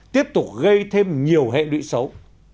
tiếp tục gây thêm nhiều hệ lụy xấu